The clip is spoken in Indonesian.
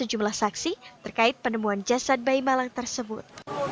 sejumlah saksi terkait penemuan jasad bayi malang tersebut